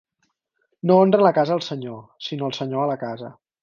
No honra la casa al senyor, sinó el senyor a la casa.